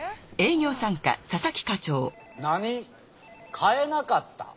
買えなかった？